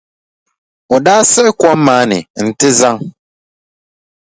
O daa siɣi kom maa ni nti zaŋ.